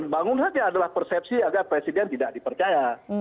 bangun saja adalah persepsi agar presiden tidak dipercaya